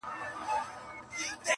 ظالمه زمانه ده جهاني له چا به ژاړو٫